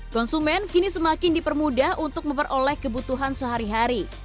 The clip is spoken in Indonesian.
konsumen kini semakin dipermudah untuk memperoleh kebutuhan sehari hari